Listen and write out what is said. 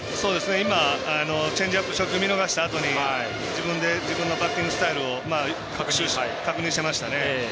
今、チェンジアップ、初球見逃したあとに自分で自分のバッティングスタイルを確認してましたね。